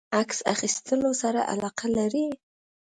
عکس اخیستلو سره علاقه لری؟